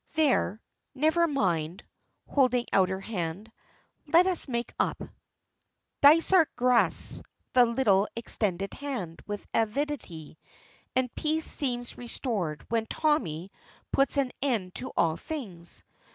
There, never mind," holding out her hand. "Let us make it up." Dysart grasps the little extended hand with avidity, and peace seems restored when Tommy puts an end to all things.